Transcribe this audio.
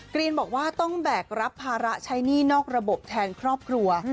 รีนบอกว่าต้องแบกรับภาระใช้หนี้นอกระบบแทนครอบครัว